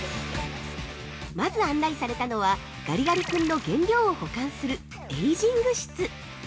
◆まず案内されたのは、ガリガリ君の原料を保管するエイジング室。